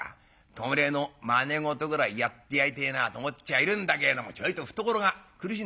弔いのまね事ぐらいやってやりてえなと思っちゃいるんだけれどもちょいと懐が苦しいんでい。